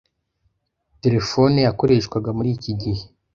Terefone yakoreshwaga muri iki gihe.